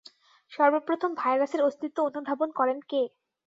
সর্বপ্রথম ভাইরাসের অস্তিত্ব অনুধাবন করেন কে?